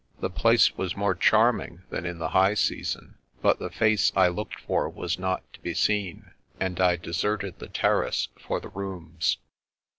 The place was more charming than in the high season ; but the face I looked for was not to be seen, and I deserted the Terrace for the Rooms.